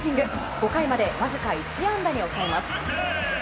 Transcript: ５回までわずか１安打に抑えます。